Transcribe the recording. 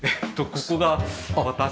ここが私の。